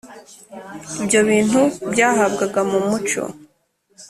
ibyo bintu byahabwaga mu muco